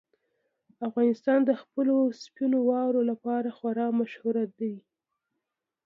افغانستان د خپلو سپینو واورو لپاره خورا مشهور دی.